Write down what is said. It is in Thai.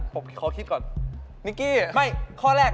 ผมเขาคิดก่อน